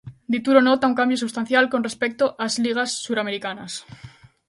Dituro nota un cambio substancial con respecto ás ligas suramericanas.